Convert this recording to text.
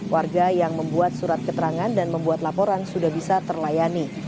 warga yang membuat surat keterangan dan membuat laporan sudah bisa terlayani